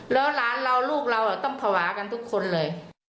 แล้วหลานเราลูกเราต้องภาวะกันทุกคนเลย